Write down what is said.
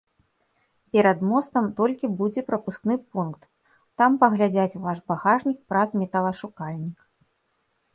Перад мостам толькі будзе прапускны пункт, там паглядзяць ваш багаж пра металашукальнік.